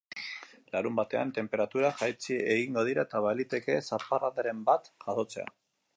Larunbatean, tenperaturak jaitsi egingo dira eta baliteke zaparradaren bat jasotzea.